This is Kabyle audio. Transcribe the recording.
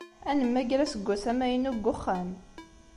Ad nemmager aseggas amaynu deg uxxam.